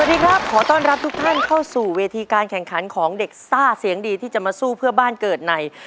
สวัสดีครับขอต้อนรับทุกท่านเข้าสู่เวทีการแข่งขันของเด็กซ่าเสียงดีที่จะมาสู้เพื่อบ้านเกิดใน